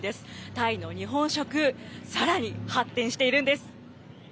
タイの日本食、さらに発展しているんです。